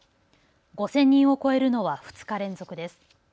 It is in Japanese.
５０００人を超えるのは２日連続です。